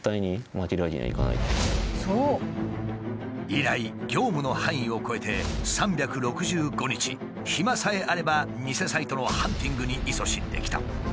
以来業務の範囲を超えて３６５日暇さえあれば偽サイトのハンティングにいそしんできた。